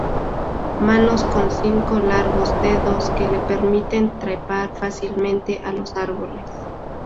Manos con cinco largos dedos, que le permiten trepar fácilmente a los árboles.